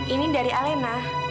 ini dari alena